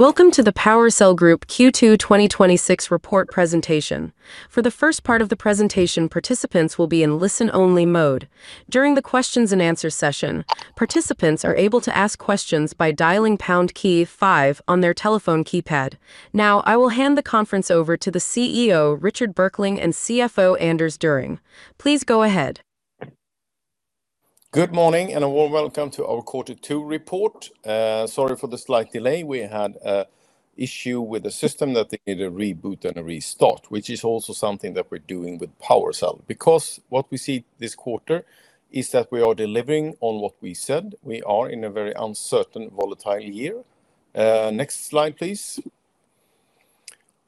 Welcome to the PowerCell Group Q2 2026 Report Presentation. For the first part of the presentation, participants will be in listen-only mode. During the questions and answers session, participants are able to ask questions by dialing pound key five on their telephone keypad. I will hand the conference over to the CEO, Richard Berkling, and CFO, Anders Düring. Please go ahead. Good morning and a warm welcome to our quarter two report. Sorry for the slight delay. We had an issue with the system that needed a reboot and a restart, which is also something that we're doing with PowerCell. What we see this quarter is that we are delivering on what we said. We are in a very uncertain, volatile year. Next slide, please.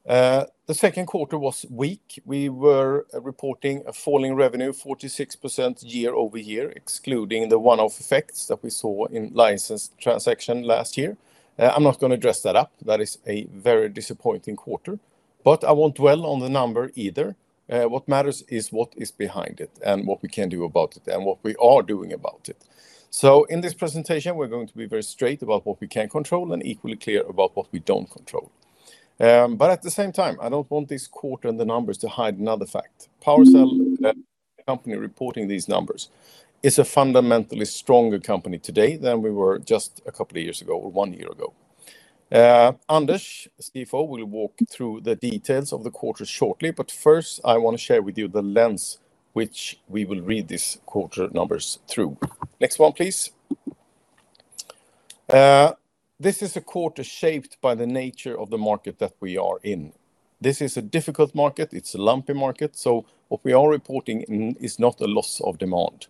The second quarter was weak. We were reporting a falling revenue 46% year-over-year, excluding the one-off effects that we saw in licensed transaction last year. I'm not going to dress that up. That is a very disappointing quarter, but I won't dwell on the number either. What matters is what is behind it and what we can do about it and what we are doing about it. In this presentation, we're going to be very straight about what we can control and equally clear about what we don't control. At the same time, I don't want this quarter and the numbers to hide another fact. PowerCell, the company reporting these numbers, is a fundamentally stronger company today than we were just a couple of years ago or one year ago. Anders, CFO, will walk through the details of the quarter shortly, but first, I want to share with you the lens which we will read these quarter numbers through. Next one, please. This is a quarter shaped by the nature of the market that we are in. This is a difficult market. It's a lumpy market. What we are reporting is not a loss of demand.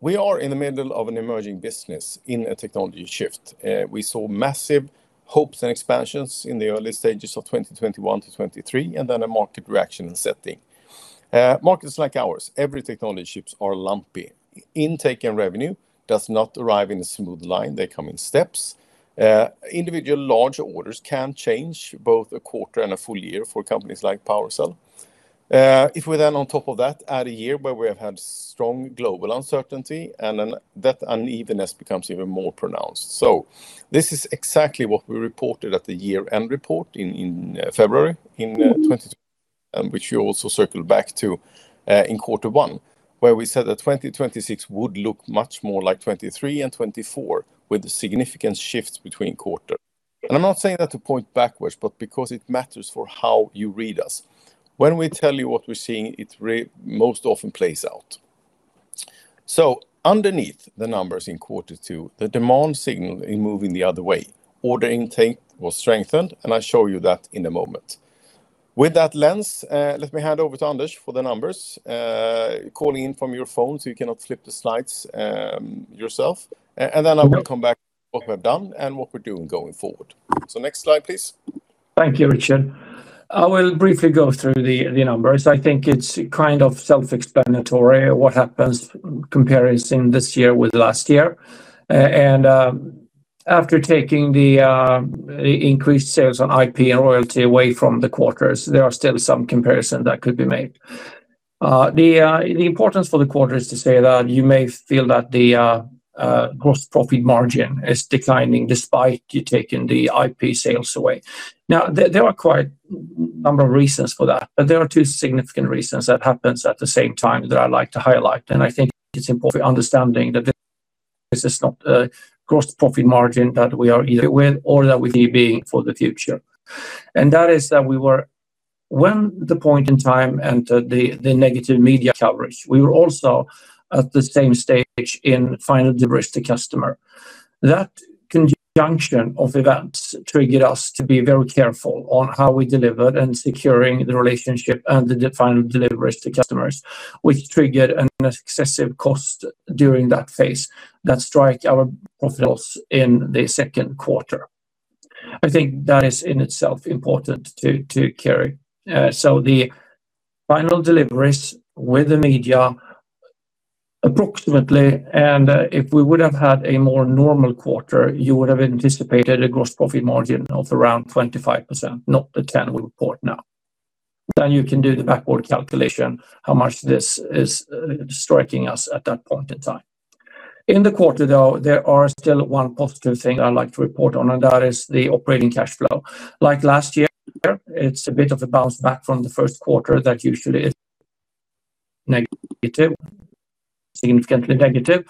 We are in the middle of an emerging business in a technology shift. We saw massive hopes and expansions in the early stages of 2021 to 2023, a market reaction and setting. Markets like ours, every technology shifts are lumpy. Intake and revenue does not arrive in a smooth line. They come in steps. Individual large orders can change both a quarter and a full year for companies like PowerCell. If we on top of that, add a year where we have had strong global uncertainty, that unevenness becomes even more pronounced. This is exactly what we reported at the year-end report in February in 2026, which you also circled back to in quarter one, where we said that 2026 would look much more like 2023 and 2024 with significant shifts between quarters. I'm not saying that to point backwards, because it matters for how you read us. When we tell you what we're seeing, it most often plays out. Underneath the numbers in quarter two, the demand signal in moving the other way. Order intake was strengthened, I show you that in a moment. With that lens, let me hand over to Anders for the numbers. Calling in from your phone, you cannot flip the slides yourself. I will come back to what we've done and what we're doing going forward. Next slide, please. Thank you, Richard. I will briefly go through the numbers. I think it's kind of self-explanatory what happens comparing this year with last year. After taking the increased sales on IP and royalty away from the quarters, there are still some comparisons that could be made. The importance for the quarter is to say that you may feel that the gross profit margin is declining despite you taking the IP sales away. There are quite a number of reasons for that, but there are two significant reasons that happens at the same time that I'd like to highlight. I think it's important for understanding that this is not a gross profit margin that we are either with or that we see being for the future. That is that we were when the point in time entered the negative media coverage, we were also at the same stage in final delivery to customer. That conjunction of events triggered us to be very careful on how we delivered and securing the relationship and the final deliveries to customers, which triggered an excessive cost during that phase that strike our profits in the second quarter. I think that is in itself important to carry. The final deliveries with the media, approximately. If we would have had a more normal quarter, you would have anticipated a gross profit margin of around 25%, not the 10% we report now. You can do the backward calculation, how much this is striking us at that point in time. In the quarter, though, there are still one positive thing I'd like to report on, that is the operating cash flow. Like last year, it's a bit of a bounce back from the first quarter that usually is negative, significantly negative.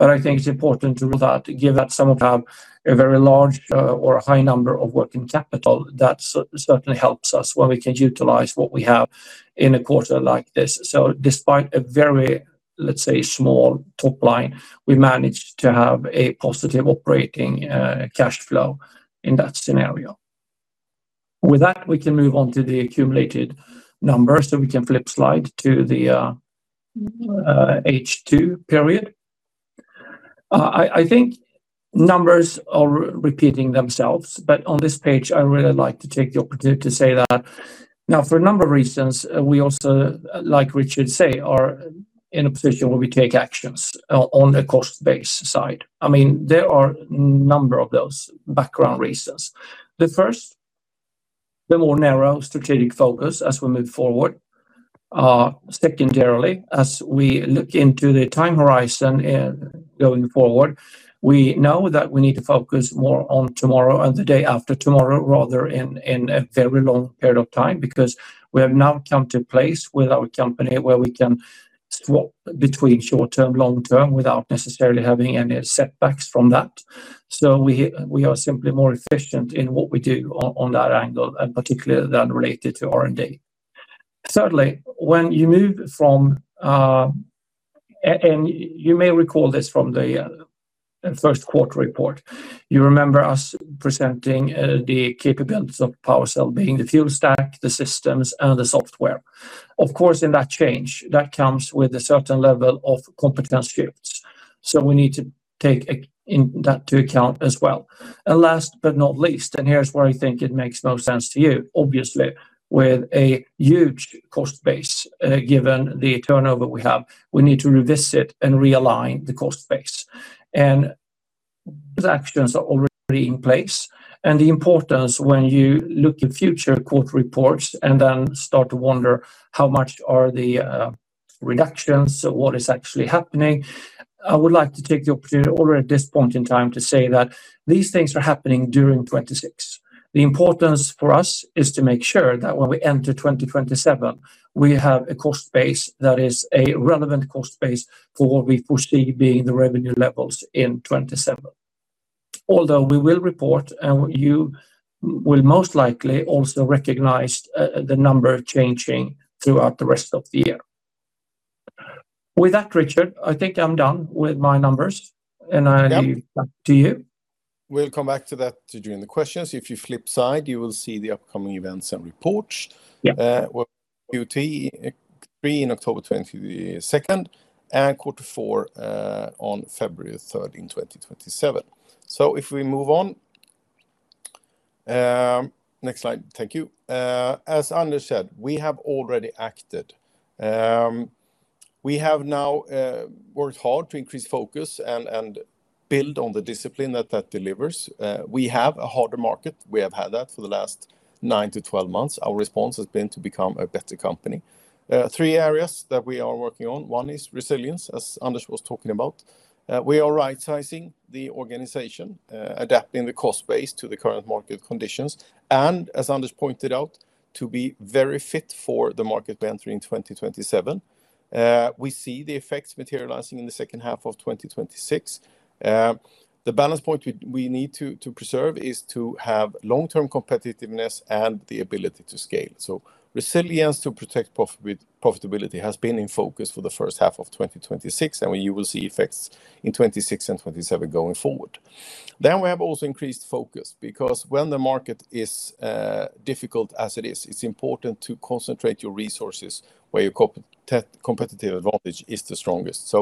I think it's important to give that some of them a very large or a high number of working capital that certainly helps us when we can utilize what we have in a quarter like this. Despite a very, let's say, small top line, we managed to have a positive operating cash flow in that scenario. With that, we can move on to the accumulated numbers, we can flip slide to the H1 period. I think numbers are repeating themselves, but on this page, I really like to take the opportunity to say that. For a number of reasons, we also, like Richard say, are in a position where we take actions on the cost base side. There are a number of those background reasons. The first, more narrow strategic focus as we move forward. Secondarily, as we look into the time horizon going forward, we know that we need to focus more on tomorrow and the day after tomorrow, rather in a very long period of time, because we have now come to a place with our company where we can swap between short-term, long-term, without necessarily having any setbacks from that. We are simply more efficient in what we do on that angle, and particularly that related to R&D. Thirdly, when you move from, you may recall this from the first quarter report. You remember us presenting the capabilities of PowerCell, being the fuel stack, the systems, and the software. Of course, in that change, that comes with a certain level of competence shifts. We need to take that into account as well. Last but not least, and here's where I think it makes more sense to you, obviously, with a huge cost base, given the turnover we have, we need to revisit and realign the cost base. Those actions are already in place. The importance when you look at future quarter reports and then start to wonder how much are the reductions, so what is actually happening, I would like to take the opportunity already at this point in time to say that these things are happening during 2026. The importance for us is to make sure that when we enter 2027, we have a cost base that is a relevant cost base for what we foresee being the revenue levels in 2027. Although we will report, and you will most likely also recognize the number changing throughout the rest of the year. With that, Richard, I think I'm done with my numbers, I leave back to you. We'll come back to that during the questions. If you flip side, you will see the upcoming events and reports. Yeah. Q3 in October 22nd and quarter four on February 3rd in 2027. If we move on. Next slide, thank you. As Anders said, we have already acted. We have now worked hard to increase focus and build on the discipline that delivers. We have a harder market. We have had that for the last 9-12 months. Our response has been to become a better company. Three areas that we are working on. One is resilience, as Anders was talking about. We are right-sizing the organization, adapting the cost base to the current market conditions, and as Anders pointed out, to be very fit for the market we enter in 2027. We see the effects materializing in the second half of 2026. The balance point we need to preserve is to have long-term competitiveness and the ability to scale. Resilience to protect profitability has been in focus for the first half of 2026, and you will see effects in 2026 and 2027 going forward. We have also increased focus, because when the market is difficult as it is, it's important to concentrate your resources where your competitive advantage is the strongest.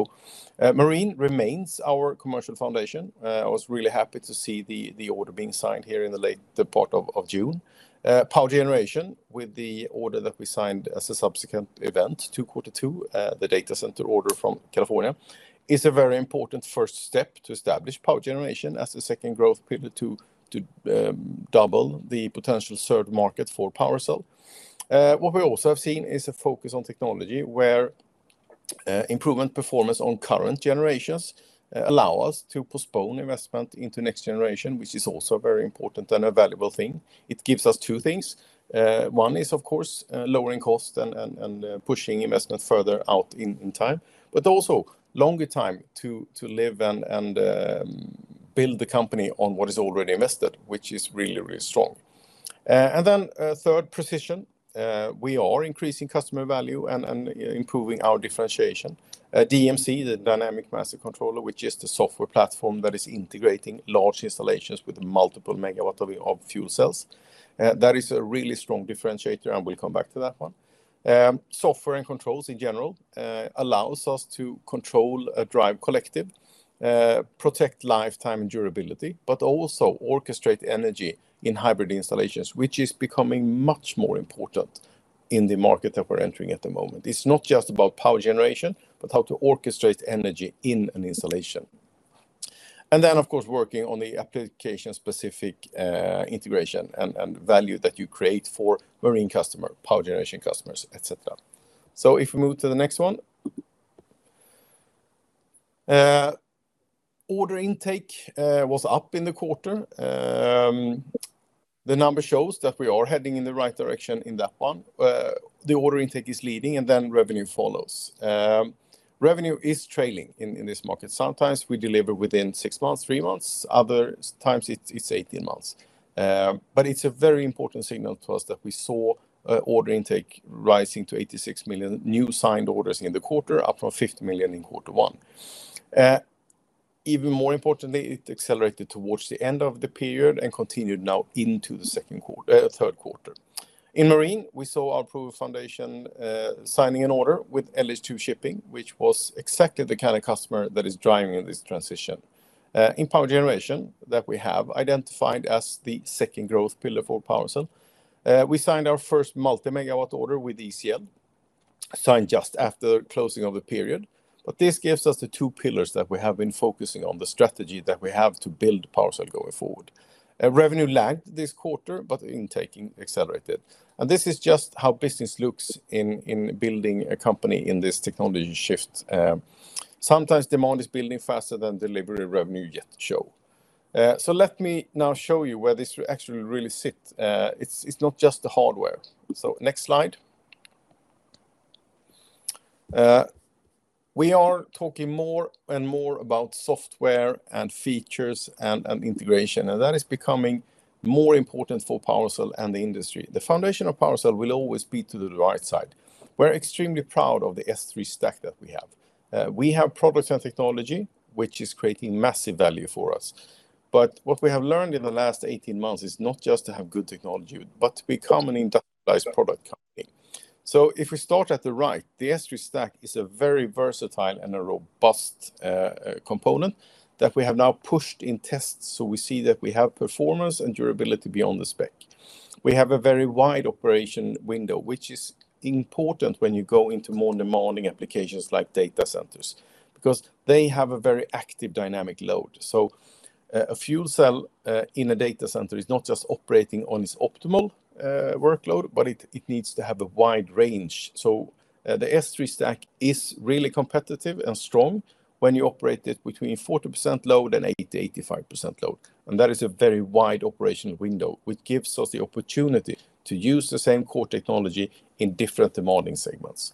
Marine remains our commercial foundation. I was really happy to see the order being signed here in the latter part of June. Power generation with the order that we signed as a subsequent event to quarter two, the data center order from California, is a very important first step to establish power generation as a second growth pivot to double the potential third market for PowerCell. What we also have seen is a focus on technology, where improvement performance on current generations allow us to postpone investment into next generation, which is also very important and a valuable thing. It gives us two things. One is, of course, lowering cost and pushing investment further out in time, but also longer time to live and build the company on what is already invested, which is really, really strong. Third, precision. We are increasing customer value and improving our differentiation. DMC, the Dynamic Master Controller, which is the software platform that is integrating large installations with multiple megawatt of fuel cells, that is a really strong differentiator, and we'll come back to that one. Software and controls in general allows us to control a drive collective, protect lifetime and durability, but also orchestrate energy in hybrid installations, which is becoming much more important in the market that we're entering at the moment. It's not just about power generation, but how to orchestrate energy in an installation. Of course, working on the application-specific integration and value that you create for marine customer, power generation customers, et cetera. If we move to the next one. Order intake was up in the quarter. The number shows that we are heading in the right direction in that one. The order intake is leading, and revenue follows. Revenue is trailing in this market. Sometimes we deliver within six months, three months. Other times, it's 18 months. It's a very important signal to us that we saw order intake rising to 86 million new signed orders in the quarter, up from 50 million in quarter one. Even more importantly, it accelerated towards the end of the period and continued now into the third quarter. In marine, we saw our proven foundation, signing an order with LH2 Shipping, which was exactly the kind of customer that is driving this transition. In power generation that we have identified as the second growth pillar for PowerCell, we signed our first multi-megawatt order with ECL just after closing of the period. This gives us the two pillars that we have been focusing on, the strategy that we have to build PowerCell going forward. Revenue lagged this quarter, but intake accelerated. This is just how business looks in building a company in this technology shift. Sometimes demand is building faster than delivery revenue yet shows. Let me now show you where this actually really sits. It's not just the hardware. Next slide. We are talking more and more about software and features and integration, and that is becoming more important for PowerCell and the industry. The foundation of PowerCell will always be to the right side. We're extremely proud of the S3 stack that we have. We have products and technology which is creating massive value for us. What we have learned in the last 18 months is not just to have good technology, but to become an industrialized product company. If we start at the right, the S3 stack is a very versatile and a robust component that we have now pushed in tests. We see that we have performance and durability beyond the spec. We have a very wide operation window, which is important when you go into more demanding applications like data centers, because they have a very active dynamic load. A fuel cell in a data center is not just operating on its optimal workload, but it needs to have a wide range. The S3 stack is really competitive and strong when you operate it between 40% load and 80%-85% load. That is a very wide operational window, which gives us the opportunity to use the same core technology in different demanding segments.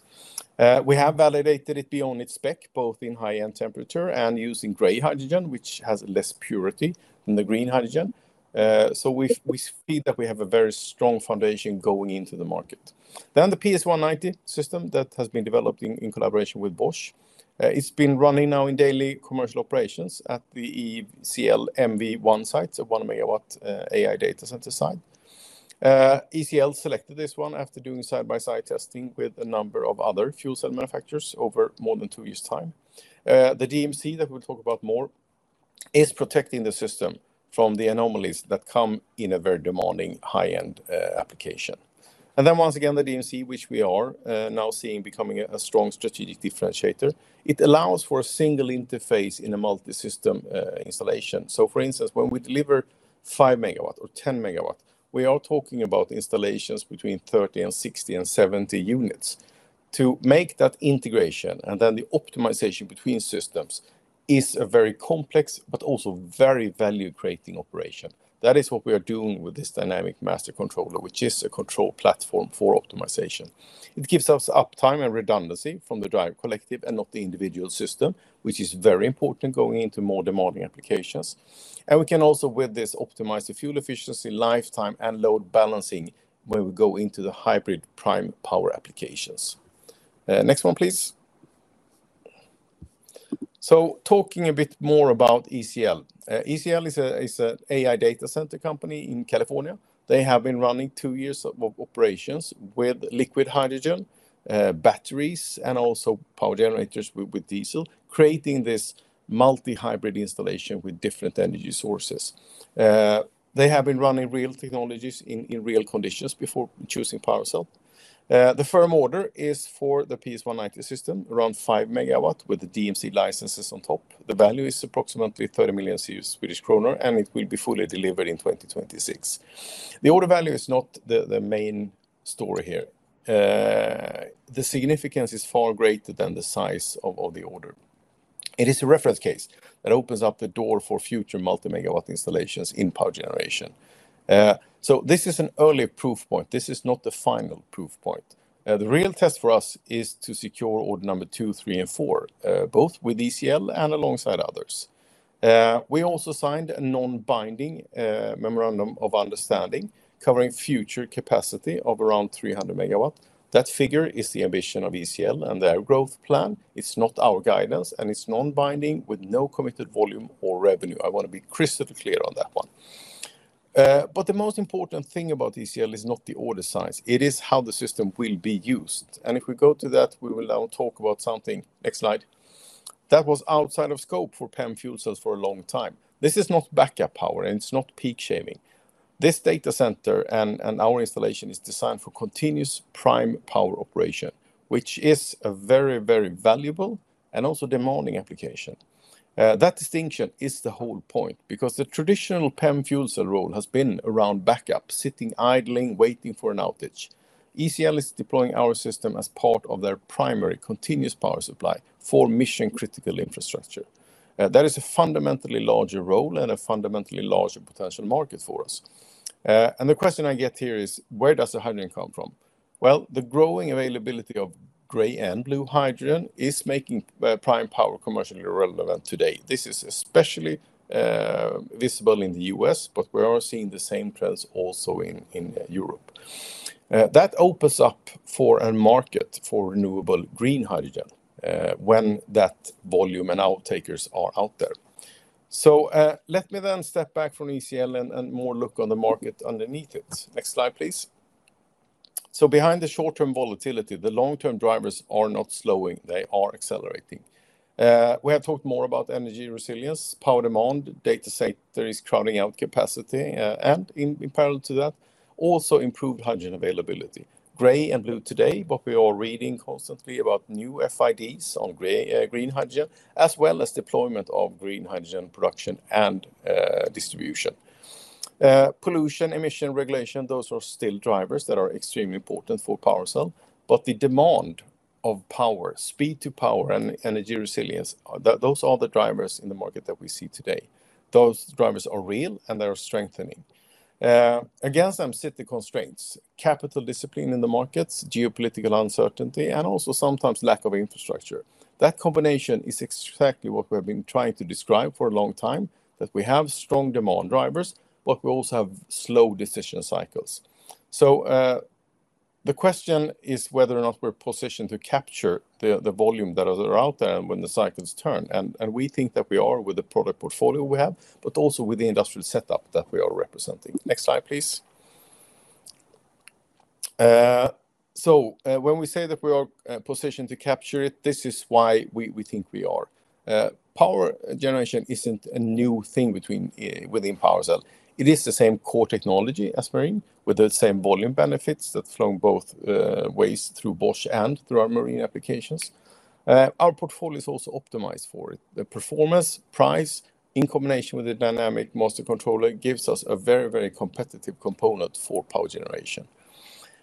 We have validated it beyond its spec, both in high-end temperature and using gray hydrogen, which has less purity than the green hydrogen. We see that we have a very strong foundation going into the market. The PS190 system that has been developed in collaboration with Bosch. It's been running now in daily commercial operations at the ECL MV-1 site, a 1 MW AI data center site. ECL selected this one after doing side-by-side testing with a number of other fuel cell manufacturers over more than two years' time. The DMC that we'll talk about more is protecting the system from the anomalies that come in a very demanding high-end application. Once again, the DMC, which we are now seeing becoming a strong strategic differentiator. It allows for a single interface in a multi-system installation. For instance, when we deliver 5 MW or 10 MW, we are talking about installations between 30, 60, and 70 units. To make that integration and then the optimization between systems is a very complex but also very value-creating operation. That is what we are doing with this Dynamic Master Controller, which is a control platform for optimization. It gives us uptime and redundancy from the drive collective and not the individual system, which is very important going into more demanding applications. We can also with this optimize the fuel efficiency, lifetime, and load balancing when we go into the hybrid prime power applications. Next one, please. Talking a bit more about ECL. ECL is an AI data center company in California. They have been running two years of operations with liquid hydrogen, batteries, and also power generators with diesel, creating this multi-hybrid installation with different energy sources. They have been running real technologies in real conditions before choosing PowerCell. The firm order is for the PS190 system, around 5 MW with the DMC licenses on top. The value is approximately 30 million Swedish kronor, and it will be fully delivered in 2026. The order value is not the main story here. The significance is far greater than the size of the order. It is a reference case that opens up the door for future multi-megawatt installations in power generation. This is an early proof point. This is not the final proof point. The real test for us is to secure order number two, three, and four, both with ECL and alongside others. We also signed a non-binding memorandum of understanding covering future capacity of around 300 MW. That figure is the ambition of ECL and their growth plan. It's not our guidance, and it's non-binding with no committed volume or revenue. I want to be crystal clear on that one. The most important thing about ECL is not the order size. It is how the system will be used. If we go to that, we will now talk about something, next slide, that was outside of scope for PEM fuel cells for a long time. This is not backup power, and it's not peak shaving. This data center and our installation is designed for continuous prime power operation, which is a very, very valuable and also demanding application. That distinction is the whole point, because the traditional PEM fuel cell role has been around backup, sitting idling, waiting for an outage. ECL is deploying our system as part of their primary continuous power supply for mission-critical infrastructure. That is a fundamentally larger role and a fundamentally larger potential market for us. The question I get here is, where does the hydrogen come from? The growing availability of gray hydrogen and blue hydrogen is making prime power commercially relevant today. This is especially visible in the U.S., but we are seeing the same trends also in Europe. That opens up for a market for renewable green hydrogen, when that volume and off-takers are out there. Let me then step back from ECL and more look on the market underneath it. Next slide, please. Behind the short-term volatility, the long-term drivers are not slowing. They are accelerating. We have talked more about energy resilience, power demand, data centers crowding out capacity, and in parallel to that also improved hydrogen availability. gray and blue today, but we are reading constantly about new FIDs on green hydrogen, as well as deployment of green hydrogen production and distribution. Pollution, emission regulation, those are still drivers that are extremely important for PowerCell, but the demand of power, speed to power, and energy resilience, those are the drivers in the market that we see today. Those drivers are real, and they are strengthening. Against them sit the constraints, capital discipline in the markets, geopolitical uncertainty, and also sometimes lack of infrastructure. That combination is exactly what we have been trying to describe for a long time, that we have strong demand drivers, but we also have slow decision cycles. The question is whether or not we're positioned to capture the volume that are out there when the cycles turn, and we think that we are with the product portfolio we have, but also with the industrial setup that we are representing. Next slide, please. When we say that we are positioned to capture it, this is why we think we are. Power generation isn't a new thing within PowerCell. It is the same core technology as marine, with the same volume benefits that flow both ways through Bosch and through our marine applications. Our portfolio is also optimized for it. The performance, price, in combination with the Dynamic Master Controller, gives us a very competitive component for power generation.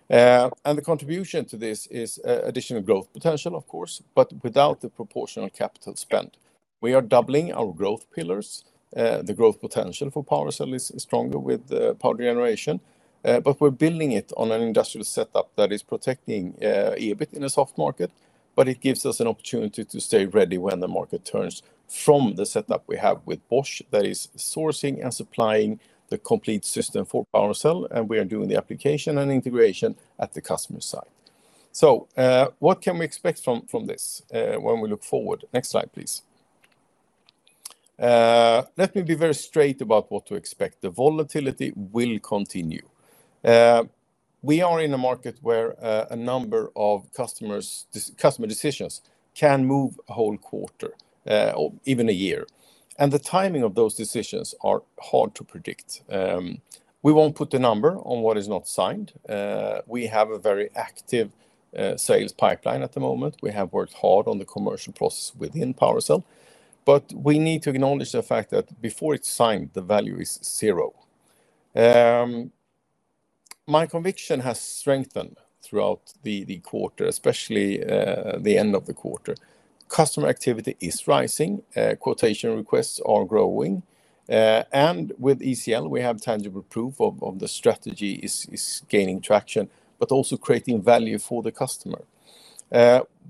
The contribution to this is additional growth potential, of course, but without the proportional capital spend. We are doubling our growth pillars. The growth potential for PowerCell is stronger with power generation, but we're building it on an industrial setup that is protecting EBIT in a soft market, but it gives us an opportunity to stay ready when the market turns from the setup we have with Bosch, that is sourcing and supplying the complete system for PowerCell, and we are doing the application and integration at the customer site. What can we expect from this when we look forward? Next slide, please. Let me be very straight about what to expect. The volatility will continue. We are in a market where a number of customer decisions can move a whole quarter or even a year, and the timing of those decisions are hard to predict. We won't put a number on what is not signed. We have a very active sales pipeline at the moment. We have worked hard on the commercial process within PowerCell, but we need to acknowledge the fact that before it's signed, the value is zero. My conviction has strengthened throughout the quarter, especially the end of the quarter. Customer activity is rising, quotation requests are growing, and with ECL, we have tangible proof of the strategy is gaining traction, but also creating value for the customer.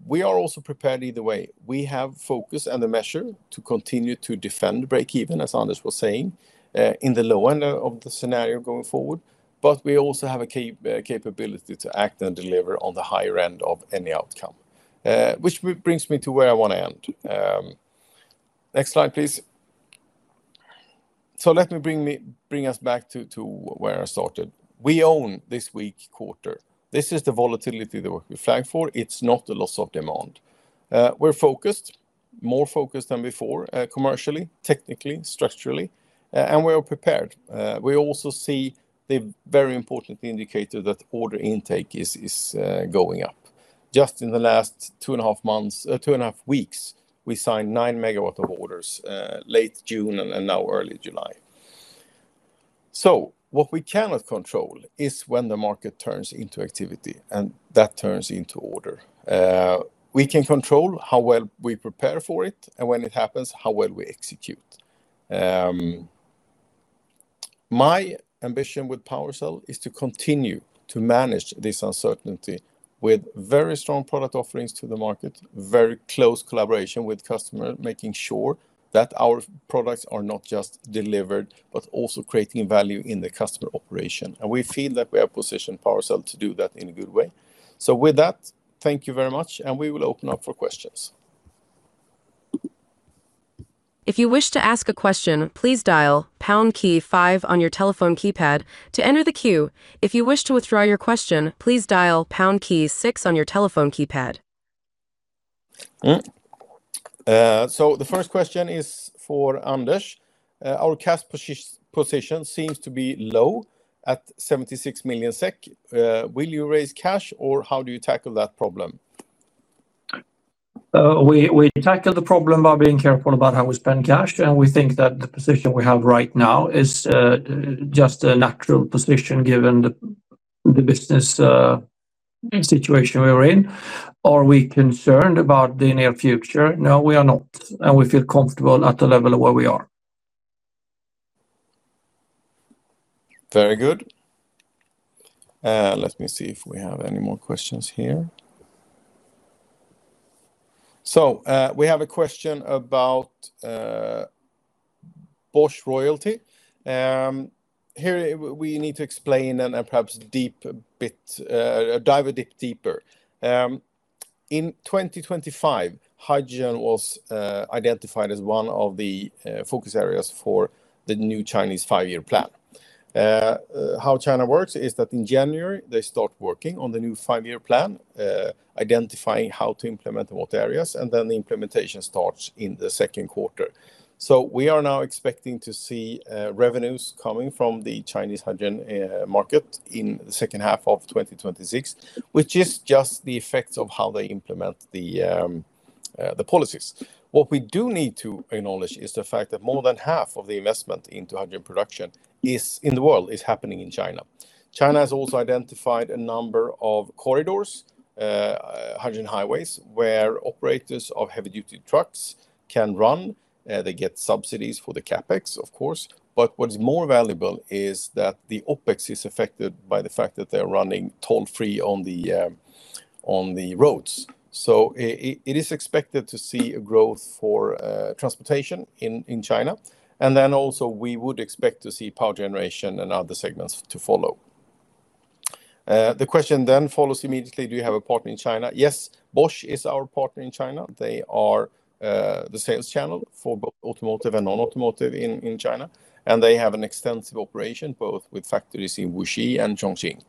We are also prepared either way. We have focus and the measure to continue to defend breakeven, as Anders was saying, in the low end of the scenario going forward, but we also have a capability to act and deliver on the higher end of any outcome. Which brings me to where I want to end. Next slide, please. Let me bring us back to where I started. We own this weak quarter. This is the volatility that we flagged for. It's not a loss of demand. We're focused, more focused than before, commercially, technically, structurally, and we are prepared. We also see the very important indicator that order intake is going up. Just in the last 2.5 weeks, we signed 9 MW of orders, late June and now early July. What we cannot control is when the market turns into activity and that turns into order. We can control how well we prepare for it, and when it happens, how well we execute. My ambition with PowerCell is to continue to manage this uncertainty with very strong product offerings to the market, very close collaboration with customer, making sure that our products are not just delivered, but also creating value in the customer operation, and we feel that we have positioned PowerCell to do that in a good way. With that, thank you very much, and we will open up for questions. If you wish to ask a question, please dial five on your telephone keypad to enter the queue. If you wish to withdraw your question, please dial six on your telephone keypad. The first question is for Anders. Our cash position seems to be low at 76 million SEK. Will you raise cash, or how do you tackle that problem? We tackle the problem by being careful about how we spend cash. We think that the position we have right now is just a natural position given the business situation we are in. Are we concerned about the near future? No, we are not. We feel comfortable at the level of where we are. Very good. Let me see if we have any more questions here. We have a question about Bosch royalty. Here, we need to explain and perhaps dive a bit deeper. In 2025, hydrogen was identified as one of the focus areas for the new Chinese five-year plan. How China works is that in January, they start working on the new five-year plan, identifying how to implement in what areas, and then the implementation starts in the second quarter. We are now expecting to see revenues coming from the Chinese hydrogen market in the second half of 2026, which is just the effect of how they implement the policies. What we do need to acknowledge is the fact that more than half of the investment into hydrogen production in the world is happening in China. China has also identified a number of corridors, hydrogen highways, where operators of heavy-duty trucks can run. They get subsidies for the CapEx, of course, but what is more valuable is that the OpEx is affected by the fact that they're running toll-free on the roads. It is expected to see a growth for transportation in China. Also we would expect to see power generation and other segments to follow. The question follows immediately, do you have a partner in China? Yes. Bosch is our partner in China. They are the sales channel for both automotive and non-automotive in China, and they have an extensive operation, both with factories in Wuxi and Chongqing.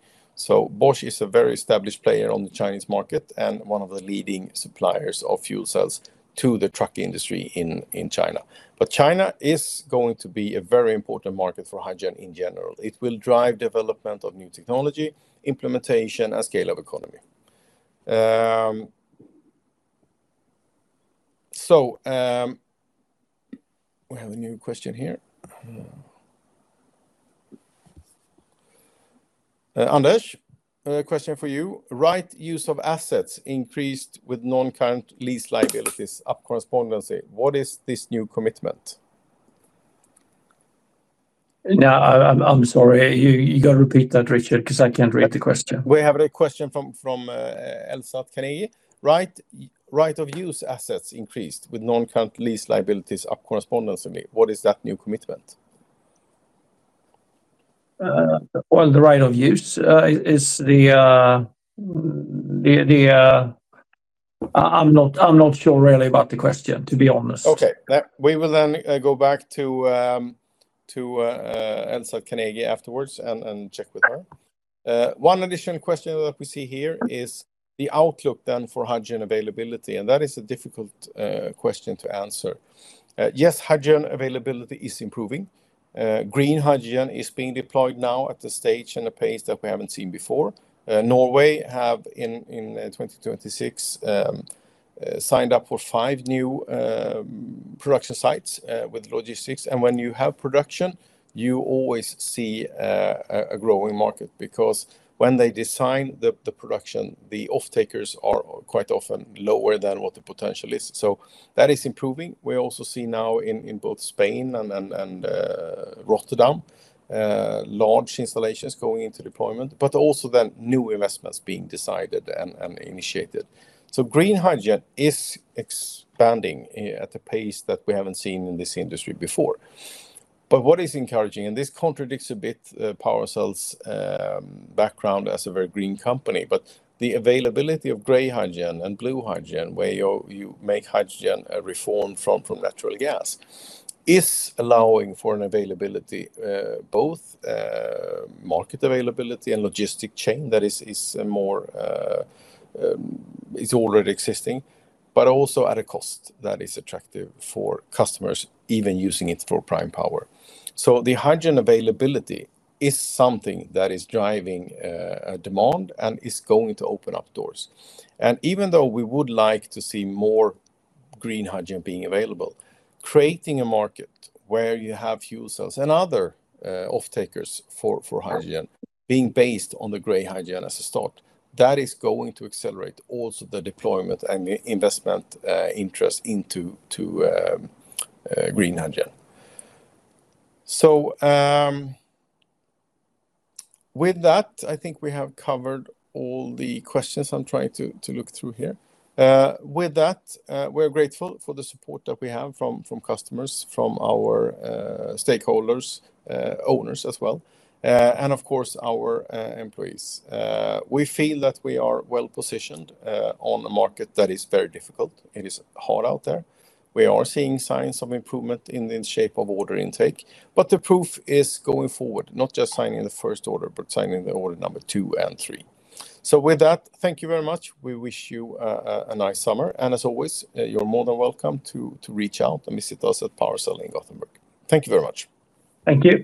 Bosch is a very established player on the Chinese market and one of the leading suppliers of fuel cells to the truck industry in China. China is going to be a very important market for hydrogen in general. It will drive development of new technology, implementation, and scale of economy. We have a new question here. Anders, a question for you. Right use of assets increased with non-current lease liabilities up correspondingly. What is this new commitment? No, I'm sorry. You got to repeat that, Richard, because I can't read the question. We have a question from Elsa, Carnegie. Right of use assets increased with non-current lease liabilities up correspondingly. What is that new commitment? Well, the right of use is, I'm not sure really about the question, to be honest. Okay. We will then go back to Elsa, Carnegie afterwards and check with her. One additional question that we see here is the outlook then for hydrogen availability. That is a difficult question to answer. Yes, hydrogen availability is improving. Green hydrogen is being deployed now at a stage and a pace that we haven't seen before. Norway have, in 2026, signed up for five new production sites with logistics. When you have production, you always see a growing market, because when they design the production, the off-takers are quite often lower than what the potential is. That is improving. We also see now in both Spain and Rotterdam large installations going into deployment, but also then new investments being decided and initiated. Green hydrogen is expanding at a pace that we haven't seen in this industry before. What is encouraging, this contradicts a bit PowerCell's background as a very green company, the availability of gray hydrogen and blue hydrogen, where you make hydrogen reformed from natural gas, is allowing for an availability both market availability and logistic chain that is already existing, but also at a cost that is attractive for customers, even using it for prime power. The hydrogen availability is something that is driving demand and is going to open up doors. Even though we would like to see more green hydrogen being available, creating a market where you have fuel cells and other off-takers for hydrogen being based on the gray hydrogen as a start, that is going to accelerate also the deployment and investment interest into green hydrogen. With that, I think we have covered all the questions. I'm trying to look through here. With that, we're grateful for the support that we have from customers, from our stakeholders, owners as well, and of course, our employees. We feel that we are well-positioned on a market that is very difficult. It is hard out there. We are seeing signs of improvement in the shape of order intake, but the proof is going forward, not just signing the first order, but signing the order number two and three. With that, thank you very much. We wish you a nice summer and as always, you're more than welcome to reach out and visit us at PowerCell in Gothenburg. Thank you very much. Thank you.